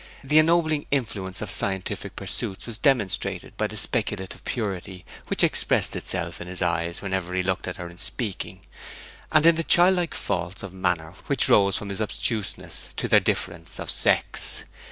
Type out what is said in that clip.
The ennobling influence of scientific pursuits was demonstrated by the speculative purity which expressed itself in his eyes whenever he looked at her in speaking, and in the childlike faults of manner which arose from his obtuseness to their difference of sex.